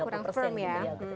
kurang firm ya